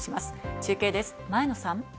中継です、前野さん。